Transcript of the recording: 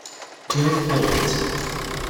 Geoff Owens